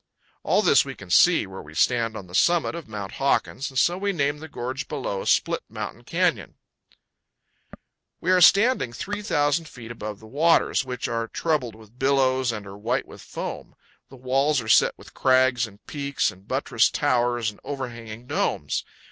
All this we can see where we stand on the summit of Mount Hawkins, and so we name the gorge below, Split Mountain Canyon. We are standing 3,000 feet above the waters, which are troubled with billows and are white with foam. The walls are set with crags and peaks and buttressed towers and overhanging domes.